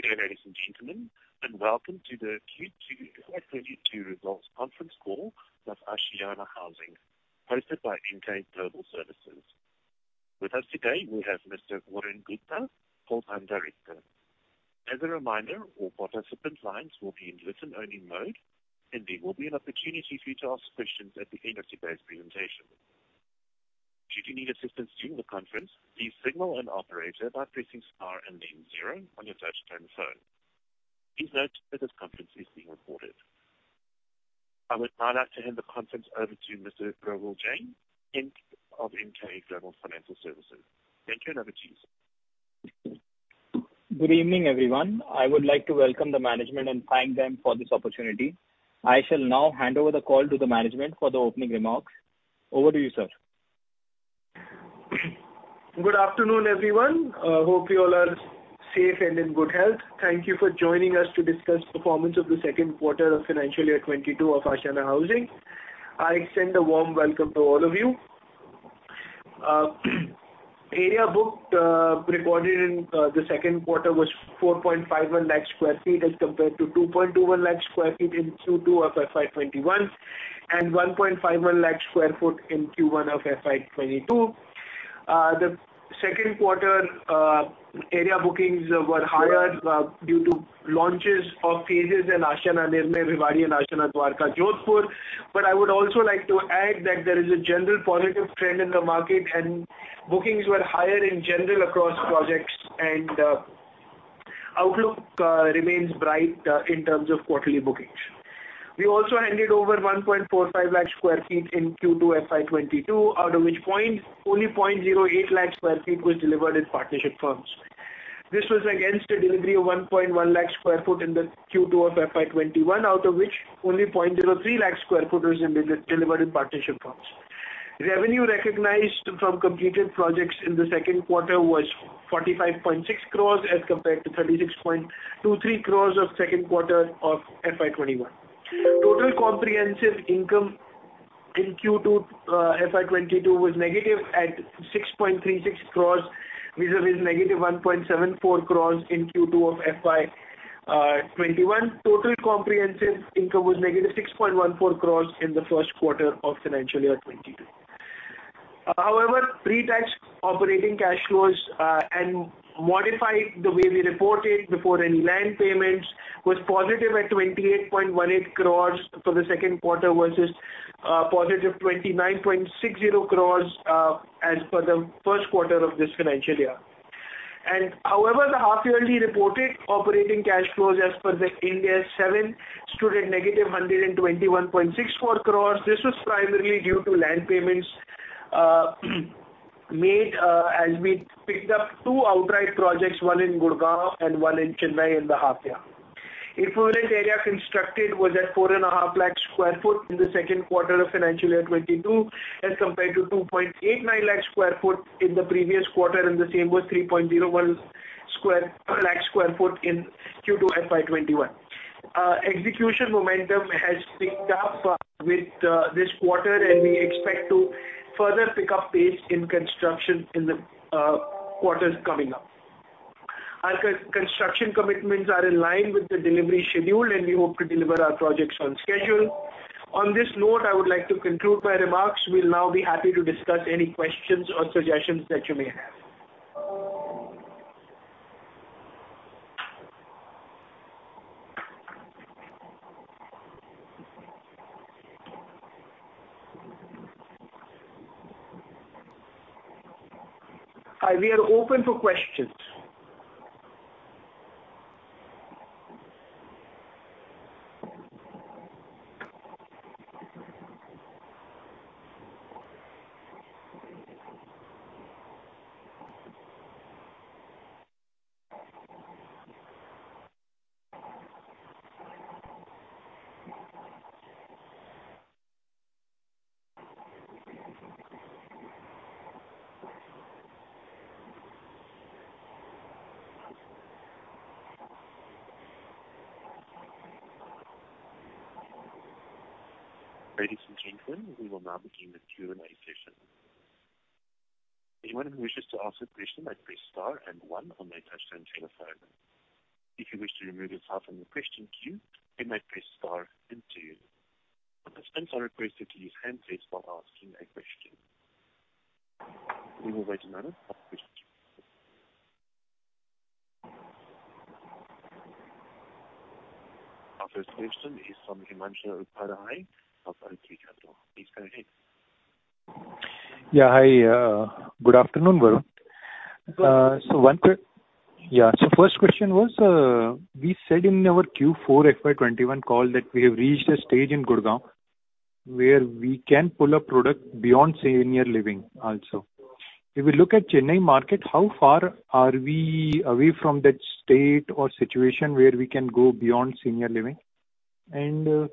Good day, ladies and gentlemen, and welcome to the Q2 FY22 results conference call of Ashiana Housing, hosted by Emkay Global Financial Services. With us today, we have Mr. Varun Gupta, Whole-time Director. As a reminder, all participant lines will be in listen-only mode, and there will be an opportunity for you to ask questions at the end of today's presentation. Should you need assistance during the conference, please signal an operator by pressing star and then zero on your touchtone phone. Please note that this conference is being recorded. I would now like to hand the conference over to Mr. Viral Jain, of Emkay Global Financial Services. Thank you, and over to you, sir. Good evening, everyone. I would like to welcome the management and thank them for this opportunity. I shall now hand over the call to the management for the opening remarks. Over to you, sir. Good afternoon, everyone. Hope you all are safe and in good health. Thank you for joining us to discuss performance of the second quarter of financial year 2022 of Ashiana Housing. I extend a warm welcome to all of you. Area booked recorded in the second quarter was 4.51 lakh sq ft, as compared to 2.21 lakh sq ft in Q2 of FY 2021, and 1.51 lakh sq ft in Q1 of FY 2022. The second quarter area bookings were higher due to launches of phases in Ashiana Nirmay, Bhiwadi and Ashiana Dwarka, Jodhpur. But I would also like to add that there is a general positive trend in the market, and bookings were higher in general across projects, and outlook remains bright in terms of quarterly bookings. We also handed over 145,000 sq ft in Q2 FY 2022, out of which only 8,000 sq ft was delivered in partnership firms. This was against a delivery of 110,000 sq ft in the Q2 of FY 2021, out of which only 3,000 sq ft was delivered in partnership firms. Revenue recognized from completed projects in the second quarter was 45.6 crores, as compared to 36.23 crores of second quarter of FY 2021. Total comprehensive income in Q2 FY 2022 was negative at 6.36 crores, versus negative 1.74 crores in Q2 of FY 2021. Total comprehensive income was negative 6.14 crores in the first quarter of financial year 2022. However, pre-tax operating cash flows, and modified the way we report it, before any land payments, was positive at 28.18 crore for the second quarter, versus positive 29.60 crore as per the first quarter of this financial year. However, the half yearly reported operating cash flows as per Ind AS 7 stood at negative 121.64 crore. This was primarily due to land payments made as we picked up two outright projects, one in Gurgaon and one in Chennai, in the half year. Equivalent area constructed was at 4.5 lakh sq ft in the second quarter of financial year 2022, as compared to 2.89 lakh sq ft in the previous quarter, and the same was 3.01 lakh sq ft in Q2 FY 2021. Execution momentum has picked up with this quarter, and we expect to further pick up pace in construction in the quarters coming up. Our construction commitments are in line with the delivery schedule, and we hope to deliver our projects on schedule. On this note, I would like to conclude my remarks. We'll now be happy to discuss any questions or suggestions that you may have. We are open for questions. Ladies and gentlemen, we will now begin the Q&A session. Anyone who wishes to ask a question may press star and one on their touchtone telephone. If you wish to remove yourself from the question queue, you might press star and two. Participants are requested to use hand raise while asking a question. We will wait a minute for questions. Our first question is from Himanshu Upadhyay of Kotak Capital. Please go ahead. Yeah, hi. Good afternoon, Varun. Good- Yeah, so first question was, we said in our Q4 FY21 call that we have reached a stage in Gurgaon where we can pull a product beyond senior living also. If we look at Chennai market, how far are we away from that state or situation where we can go beyond senior living? And,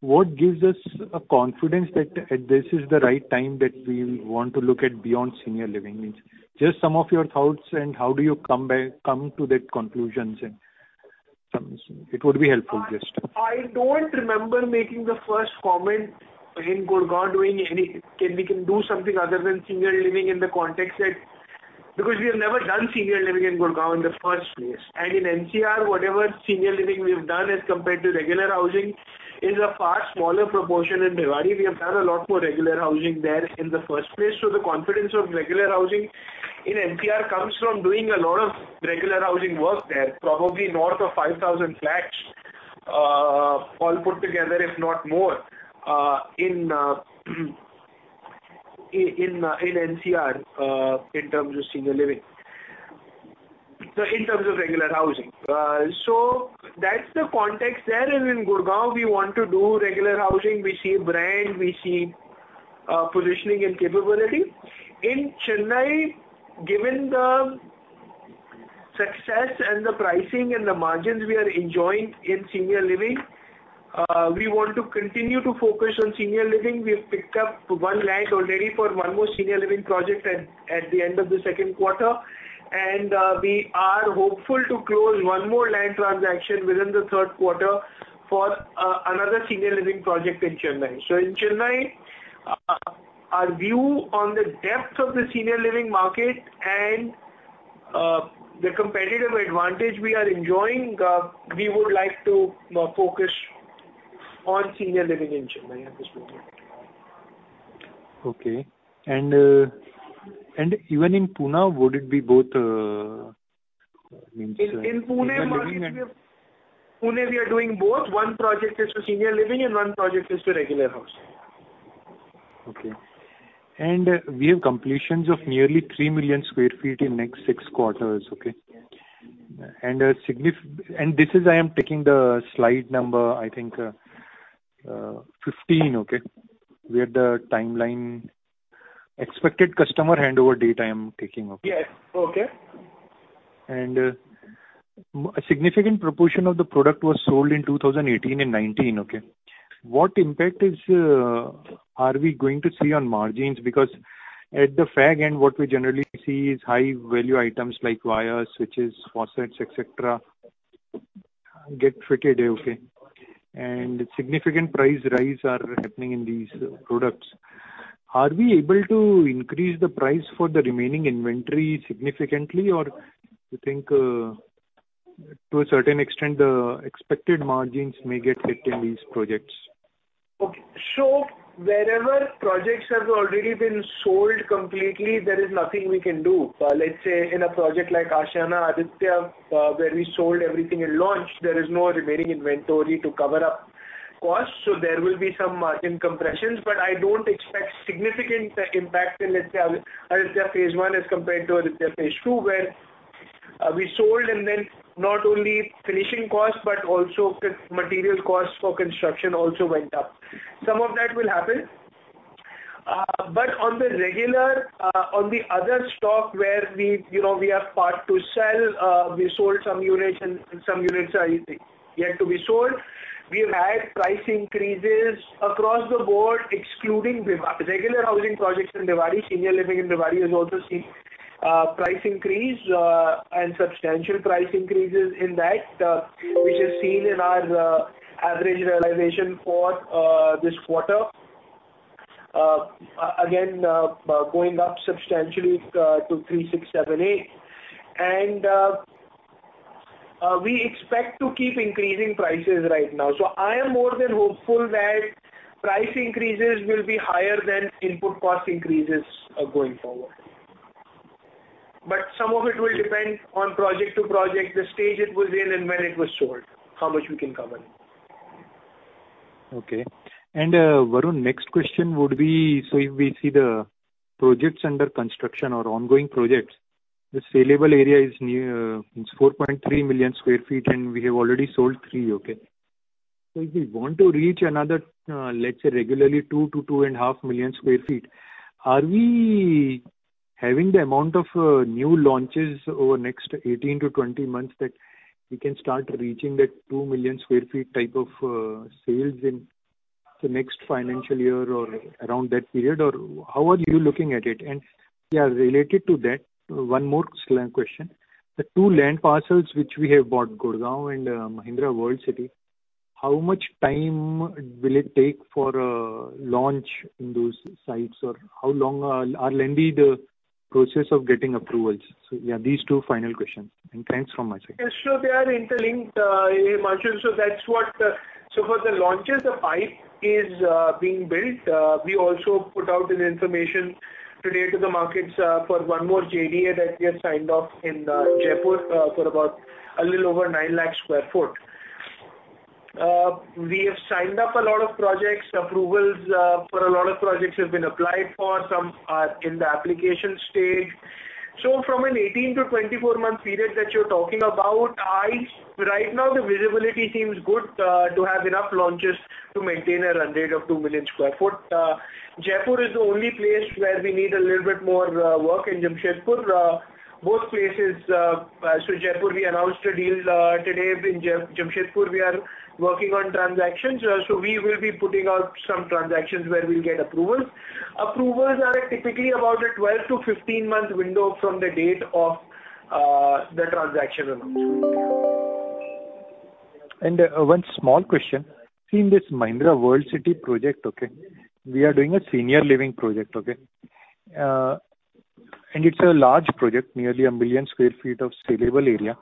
what gives us a confidence that this is the right time that we want to look at beyond senior living? Means, just some of your thoughts, and how do you come to that conclusion? It would be helpful, yes. I don't remember making the first comment in Gurgaon. Can we do something other than senior living in the context that, because we have never done senior living in Gurgaon in the first place. And in NCR, whatever senior living we've done as compared to regular housing, is a far smaller proportion in Bhiwadi. We have done a lot more regular housing there in the first place. So the confidence of regular housing in NCR comes from doing a lot of regular housing work there, probably north of 5,000 flats, all put together, if not more, in NCR, in terms of senior living. So in terms of regular housing. So that's the context there. And in Gurgaon, we want to do regular housing. We see brand, we see, positioning and capability. In Chennai, given the success and the pricing and the margins we are enjoying in senior living, we want to continue to focus on senior living. We have picked up one land already for one more senior living project at the end of the second quarter. We are hopeful to close one more land transaction within the third quarter for another senior living project in Chennai. In Chennai, our view on the depth of the senior living market and the competitive advantage we are enjoying, we would like to focus on senior living in Chennai at this point. Okay. And even in Pune, would it be both means- In Pune market, we are doing both. One project is for senior living and one project is for regular housing. Okay. And we have completions of nearly 3 million sq ft in next six quarters, okay? And this is, I am taking the slide number, I think, 15, okay, where the timeline—expected customer handover date, I am taking, okay. Yes. Okay. Significant proportion of the product was sold in 2018 and 2019, okay? What impact is, are we going to see on margins? Because at the fag end, what we generally see is high value items like wires, switches, faucets, et cetera, get fitted, okay? And significant price rise are happening in these products. Are we able to increase the price for the remaining inventory significantly? Or you think, to a certain extent, the expected margins may get hit in these projects? Okay. So wherever projects have already been sold completely, there is nothing we can do. Let's say in a project like Ashiana Aditya, where we sold everything at launch, there is no remaining inventory to cover up costs, so there will be some margin compressions. But I don't expect significant impact in, let's say, Aditya phase one as compared to Aditya phase two, where we sold, and then not only finishing costs, but also construction material costs for construction also went up. Some of that will happen. But on the regular, on the other stock where we, you know, we are part to sell, we sold some units and some units are yet to be sold. We've had price increases across the board, excluding Bhiwadi regular housing projects in Bhiwadi. Senior living in Bhiwadi has also seen price increase and substantial price increases in that, which is seen in our average realization for this quarter. Again, going up substantially to 3, 6, 7, 8. And we expect to keep increasing prices right now. So I am more than hopeful that price increases will be higher than input cost increases going forward. But some of it will depend on project to project, the stage it was in and when it was sold, how much we can cover. Okay. And, Varun, next question would be: So if we see the projects under construction or ongoing projects, the saleable area is near, it's 4.3 million sq ft, and we have already sold 3, okay? So if we want to reach another, let's say, regularly, 2-2.5 million sq ft, are we having the amount of new launches over the next 18-20 months, that we can start reaching that 2 million sq ft type of sales in the next financial year or around that period? Or how are you looking at it? And, yeah, related to that, one more question: The two land parcels which we have bought, Gurgaon and Mahindra World City, how much time will it take for launch in those sites? Or how long... How lengthy the process of getting approvals? So, yeah, these two final questions. Thanks from my side. Yes, so they are interlinked, Marshall, so that's what... So for the launches, the pipe is being built. We also put out an information today to the markets for one more JDA that we have signed off in Jaipur for about a little over 900,000 sq ft. We have signed up a lot of projects. Approvals for a lot of projects have been applied for. Some are in the application stage. So from an 18-24 month period that you're talking about, right now, the visibility seems good to have enough launches to maintain a run rate of 2 million sq ft. Jaipur is the only place where we need a little bit more work in Jamshedpur. Both places, so Jaipur, we announced a deal today. In Jamshedpur, we are working on transactions, so we will be putting out some transactions where we'll get approvals. Approvals are typically about a 12-15-month window from the date of the transaction amount. ...And, one small question. In this Mahindra World City project, okay, we are doing a senior living project, okay? And it's a large project, nearly 1 million sq ft of saleable area.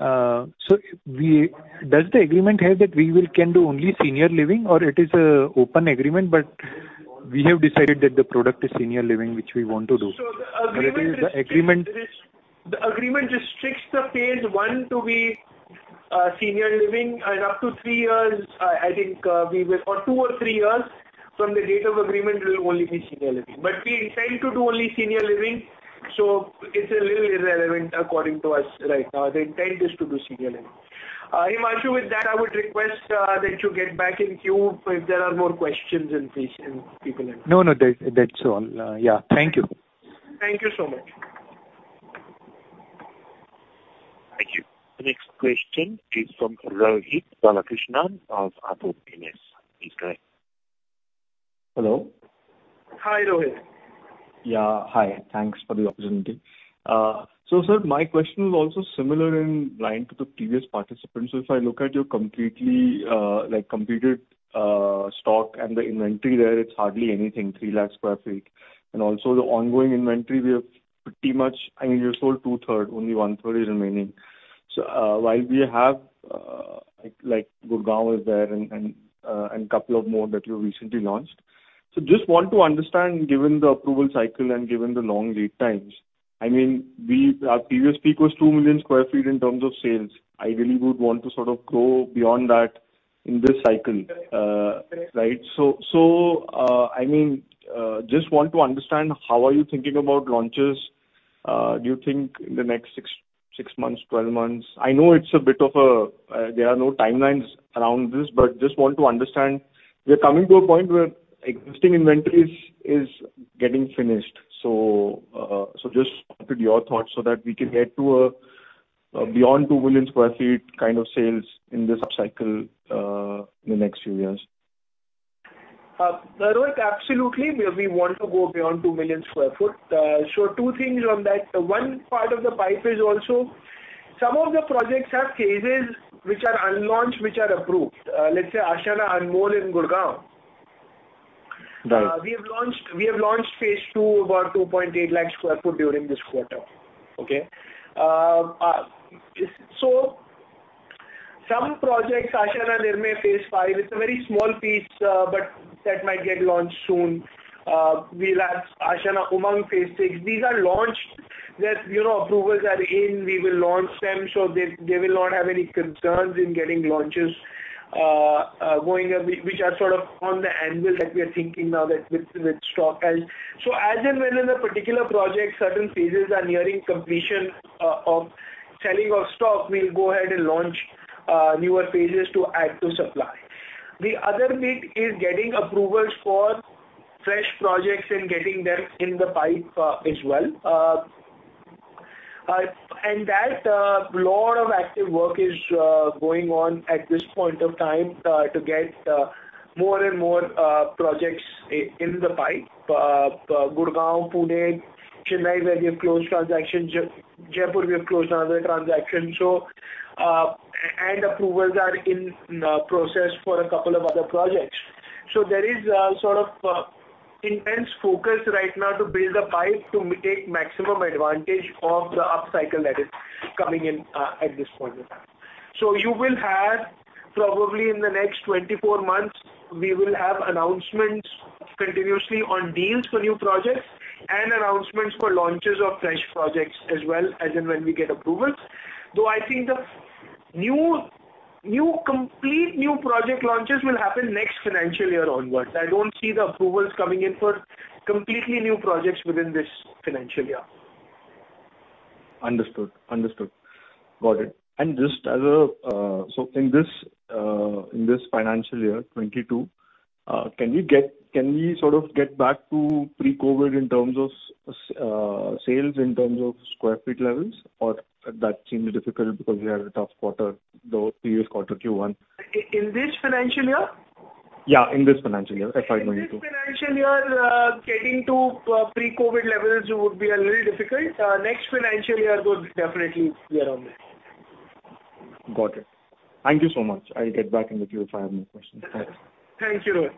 So does the agreement have that we can do only senior living, or it is an open agreement? But we have decided that the product is senior living, which we want to do. So the agreement- Or it is the agreement- The agreement restricts the phase one to be senior living, and up to three years, I think, we will for two or three years from the date of agreement, will only be senior living. But we intend to do only senior living, so it's a little irrelevant according to us right now. The intent is to do senior living. Himanshu, with that, I would request that you get back in queue. If there are more questions, then please, and people can- No, no. That, that's all. Yeah, thank you. Thank you so much. Thank you. The next question is from Rohit Balakrishnan of Kotak Mahindra. Please go ahead. Hello? Hi, Rohit. Yeah, hi. Thanks for the opportunity. So, sir, my question is also similar in line to the previous participant. So if I look at your completely, like, completed stock and the inventory there, it's hardly anything, 300,000 sq ft. And also the ongoing inventory, we have pretty much, I mean, you sold two-third, only one-third is remaining. So, while we have, like, Gurgaon is there and, and, and couple of more that you recently launched. So just want to understand, given the approval cycle and given the long lead times, I mean, we, our previous peak was 2 million sq ft in terms of sales. Ideally, we would want to sort of grow beyond that in this cycle, right? So, so, I mean, just want to understand, how are you thinking about launches? Do you think in the next six, six months, 12 months? I know it's a bit of a, there are no timelines around this, but just want to understand. We are coming to a point where existing inventories is getting finished. So, so just wanted your thoughts so that we can get to, beyond 2 million sq ft kind of sales in this upcycle, in the next few years. Rohit, absolutely. We, we want to go beyond 2 million sq ft. So two things on that. One part of the pipe is also some of the projects have phases which are unlaunched, which are approved. Let's say Ashiana Anmol in Gurgaon. Right. We have launched, we have launched phase two, about 2.8 lakh sq ft during this quarter, okay? So some projects, Ashiana Nirmay, phase five, it's a very small piece, but that might get launched soon. We'll have Ashiana Umang, phase six. These are launched that, you know, approvals are in, we will launch them, so they, they will not have any concerns in getting launches, going up, which are sort of on the anvil that we are thinking now that with, with stock. And so as and when in a particular project, certain phases are nearing completion, of selling of stock, we'll go ahead and launch, newer phases to add to supply. The other bit is getting approvals for fresh projects and getting them in the pipe, as well. And that lot of active work is going on at this point of time to get more and more projects in the pipe. Gurgaon, Pune, Chennai, where we have closed transactions. Jaipur, we have closed another transaction. And approvals are in process for a couple of other projects. So there is a sort of intense focus right now to build a pipe to take maximum advantage of the upcycle that is coming in at this point in time. So you will have probably in the next 24 months, we will have announcements continuously on deals for new projects and announcements for launches of fresh projects as well, as and when we get approvals. Though, I think the completely new project launches will happen next financial year onwards. I don't see the approvals coming in for completely new projects within this financial year. Understood. Understood. Got it. And just as a... So in this, in this financial year, 2022, can we sort of get back to pre-COVID in terms of, sales, in terms of square feet levels? Or that seems difficult because we had a tough quarter, the previous quarter, Q1. In this financial year? Yeah, in this financial year, FY 2022. In this financial year, getting to pre-COVID levels would be a little difficult. Next financial year would definitely be around there. Got it. Thank you so much. I'll get back in the queue if I have more questions. Thanks. Thank you, Rohit.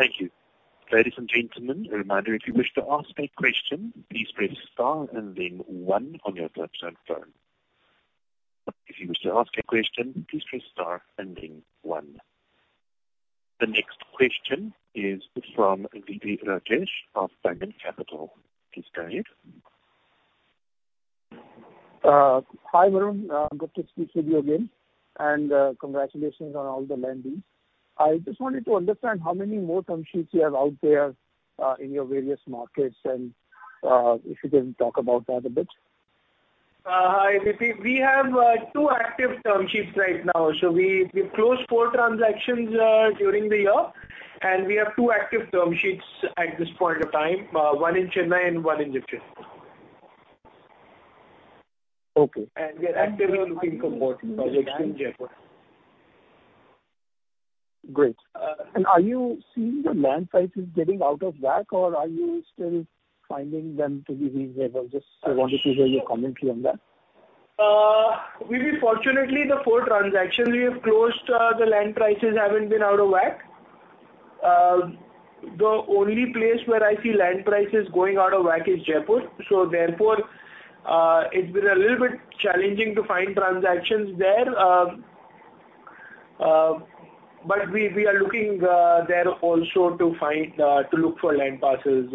Thank you. Ladies and gentlemen, a reminder, if you wish to ask a question, please press star and then one on your touchtone phone. If you wish to ask a question, please press star and then one. The next question is from Vipin Rakesh of Titan Capital. Please go ahead. Hi, Varun. Good to speak with you again, and congratulations on all the landings. I just wanted to understand how many more term sheets you have out there, in your various markets, and if you can talk about that a bit. Hi, Vipin. We have two active term sheets right now. So we closed four transactions during the year, and we have two active term sheets at this point of time, one in Chennai and one in Jaipur. Okay. We are actively looking for more projects in Jaipur.... Great. And are you seeing the land prices getting out of whack, or are you still finding them to be reasonable? Just I wanted to hear your commentary on that. We've been fortunate, the four transactions we have closed, the land prices haven't been out of whack. The only place where I see land prices going out of whack is Jaipur. So therefore, it's been a little bit challenging to find transactions there. But we are looking there also to look for land parcels.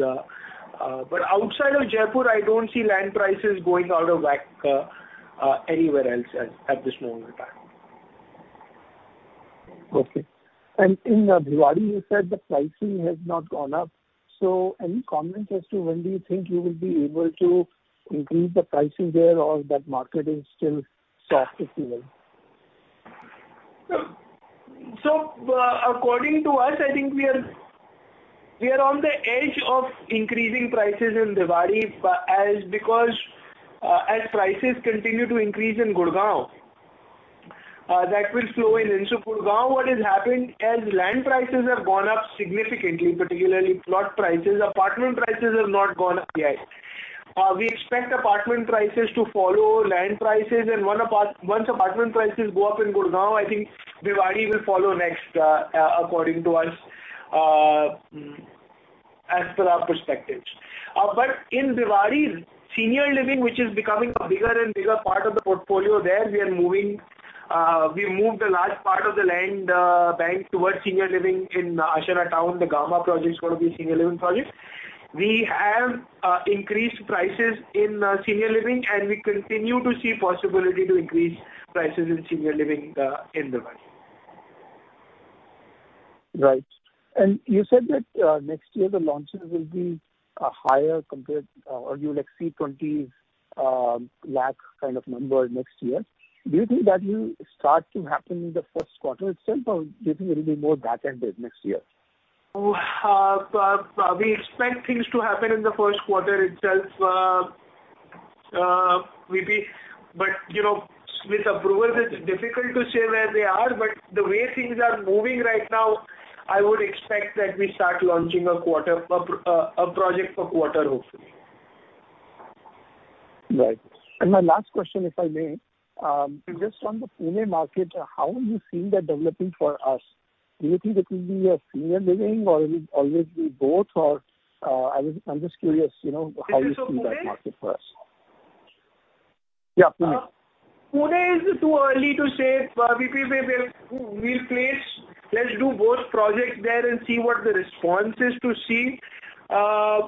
But outside of Jaipur, I don't see land prices going out of whack anywhere else at this moment in time. Okay. In Bhiwadi, you said the pricing has not gone up, so any comment as to when do you think you will be able to increase the pricing there or that market is still soft, if you will? So, according to us, I think we are on the edge of increasing prices in Bhiwadi, but because as prices continue to increase in Gurgaon, that will flow in. So Gurgaon, what is happening, as land prices have gone up significantly, particularly plot prices, apartment prices have not gone up yet. We expect apartment prices to follow land prices, and once apartment prices go up in Gurgaon, I think Bhiwadi will follow next, according to us, as per our perspectives. But in Bhiwadi, senior living, which is becoming a bigger and bigger part of the portfolio there, we moved a large part of the land bank towards senior living in Ashiana Town. The Gamma project is one of the senior living projects. We have increased prices in senior living, and we continue to see possibility to increase prices in senior living in Bhiwadi. Right. And you said that, next year the launches will be, higher compared, or you will see 20 lakh kind of number next year. Do you think that will start to happen in the first quarter itself, or do you think it'll be more back ended next year? We expect things to happen in the first quarter itself. But, you know, with approvals, it's difficult to say where they are, but the way things are moving right now, I would expect that we start launching a quarter, a project per quarter, hopefully. Right. And my last question, if I may, just on the Pune market, how are you seeing that developing for us? Do you think it will be a senior living or it will always be both, or, I'm just curious, you know, how you see that market for us. This is for Pune? Yeah, Pune. Pune is too early to say. We'll place—let's do both projects there and see what the response is, to see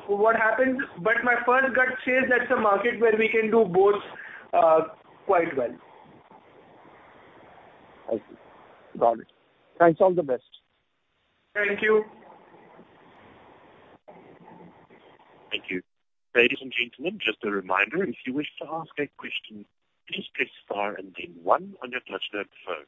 what happens. But my first gut says that's a market where we can do both quite well. Thank you. Got it. Thanks, all the best. Thank you. Thank you. Ladies and gentlemen, just a reminder, if you wish to ask a question, please press star and then one on your touchtone phone.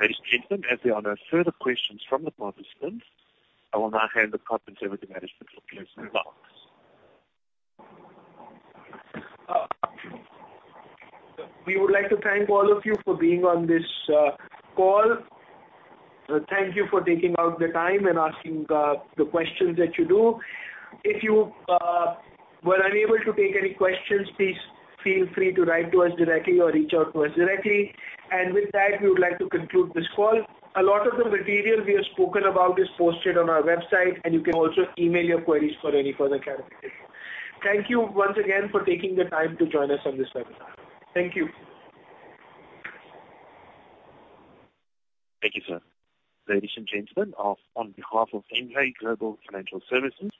Ladies and gentlemen, as there are no further questions from the participants, I will now hand the conference over to management for closing remarks. We would like to thank all of you for being on this call. Thank you for taking out the time and asking the questions that you do. If you were unable to take any questions, please feel free to write to us directly or reach out to us directly. With that, we would like to conclude this call. A lot of the material we have spoken about is posted on our website, and you can also email your queries for any further clarification. Thank you once again for taking the time to join us on this webinar. Thank you. Thank you, sir. Ladies and gentlemen, on behalf of Emkay Global Financial Services,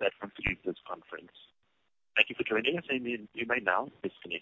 that concludes this conference. Thank you for joining us, and you may now disconnect.